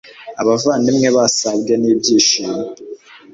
abavandimwe basabwe n ibyishimo